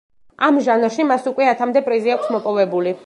ამ ჟანრში მას უკვე ათამდე პრიზი აქვს მოპოვებული.